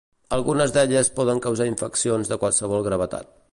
Algunes d'elles poden causar infeccions de qualsevol gravetat.